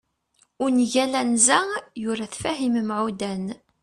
ungal anza, yura-t Fahim Meɛudan